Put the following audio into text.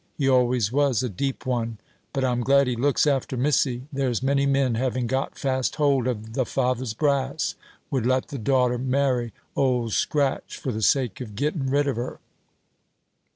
He always was a deep one. But I'm glad he looks after Missy: there's many men, having got fast hold of th' father's brass, would let th' daughter marry Old Scratch, for the sake of gettin' rid of her."